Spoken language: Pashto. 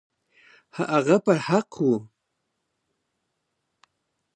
هغه پر حقه وو.